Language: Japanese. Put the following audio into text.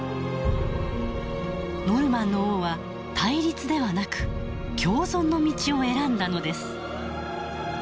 ノルマンの王は対立ではなく共存の道を選んだのです。